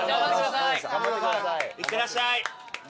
いってらっしゃい！